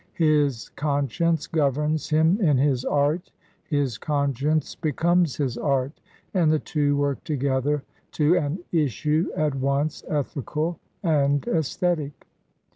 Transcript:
His conscience governs him in his art, his conscience becomes his art; and the two work together to an issue at once ethical and aesthetic.